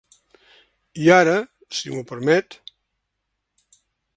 I ara, si m'ho permet.